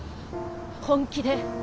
本気で。